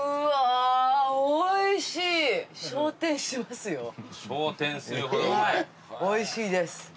はいおいしいです。